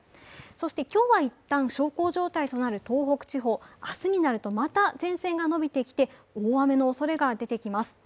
そして今日は一旦、小康状態となる東北地方、明日になると、また前線が延びてきて大雨のおそれが出てきます。